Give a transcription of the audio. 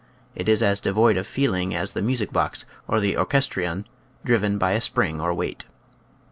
It is as devoid of feeling as the music box or the orchestrion driven by a spring or weight.